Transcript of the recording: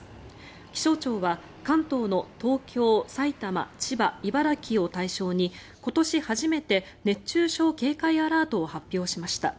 気象庁は関東の東京、埼玉千葉、茨城を対象に今年初めて熱中症警戒アラートを発表しました。